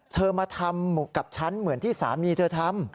เธอมาทำกับฉันเหมือนที่สามีเธอทำ